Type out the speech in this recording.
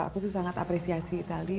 aku tuh sangat apresiasi tadi